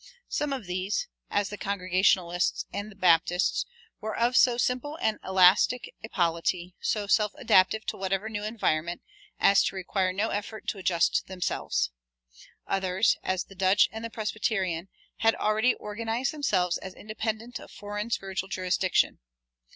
Some of these, as the Congregationalists and the Baptists, were of so simple and elastic a polity, so self adaptive to whatever new environment, as to require no effort to adjust themselves. Others, as the Dutch and the Presbyterians, had already organized themselves as independent of foreign spiritual jurisdiction.